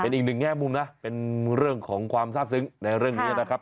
อีกหนึ่งแง่มุมนะเป็นเรื่องของความทราบซึ้งในเรื่องนี้นะครับ